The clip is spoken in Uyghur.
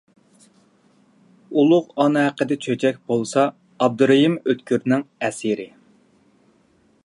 «ئۇلۇغ ئانا ھەققىدە چۆچەك» بولسا ئابدۇرېھىم ئۆتكۈرنىڭ ئەسىرى.